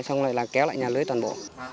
xong rồi là kéo lại nhà lưới toàn bộ